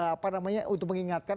apa namanya untuk mengingatkan